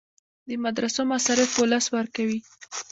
د مدرسو مصارف ولس ورکوي